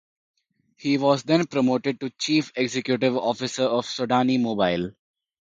He was then promoted to chief executive officer of Sudani Mobile.